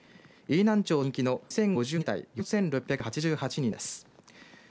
飯南町全域の２０５２世帯４６８８人です。